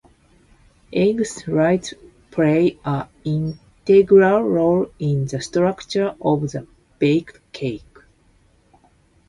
Egg whites play an integral role in the structure of the baked cake.